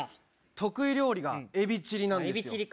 得意料理がエビチリなんですエビチリか。